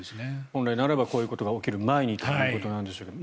本来ならばこういうことが起きる前にということなんでしょうけど。